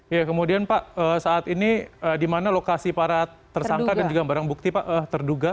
ya kemudian pak saat ini di mana lokasi para tersangka dan juga barang bukti pak terduga